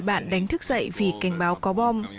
tôi đang đánh thức dậy vì cảnh báo có bom